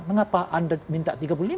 mengapa anda minta tiga puluh lima